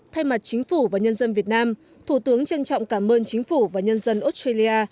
thay mặt chính phủ và nhân dân việt nam thủ tướng trân trọng cảm ơn chính phủ và nhân dân australia